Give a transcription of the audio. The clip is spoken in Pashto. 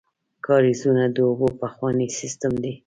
کاریزونه د اوبو پخوانی سیسټم دی.